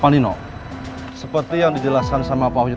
bu andien seperti yang dijelaskan sama pak wuyud tadi